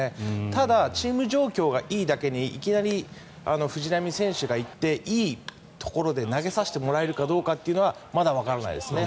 ただ、チーム状況がいいだけにいきなり藤浪選手が行っていいところで投げさせてもらえるかどうかはまだわからないですね。